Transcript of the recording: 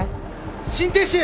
心停止！